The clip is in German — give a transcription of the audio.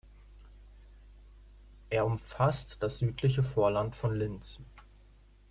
Er umfasst das südliche Vorland von Linz.